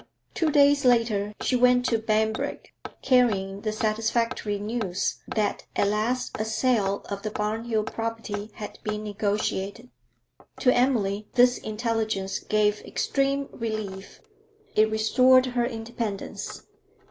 Two days later she went to Banbrigg, carrying the satisfactory news that at last a sale of the Barnhill property had been negotiated. To Emily this intelligence gave extreme relief; it restored her independence.